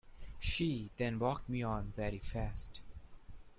She then walked me on very fast.